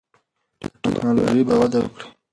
دا ټکنالوژي به وده وکړي.